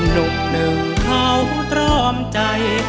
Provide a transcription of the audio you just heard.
หนุ่มหนึ่งเขาตรอมใจ